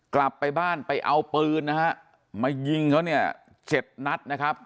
กลับไปบ้านไปเอาปืนนะฮะมายิงเขาเนี่ยเจ็ดนัดนะครับ